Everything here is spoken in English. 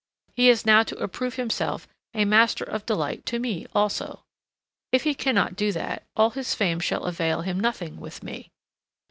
He is now to approve himself a master of delight to me also. If he cannot do that, all his fame shall avail him nothing with me.